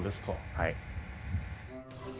はい。